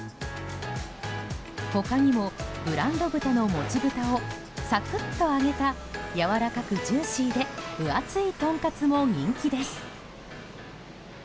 他にも、ブランド豚のもちぶたをサクッと揚げたやわらかくジューシーで分厚いとんかつも人気です。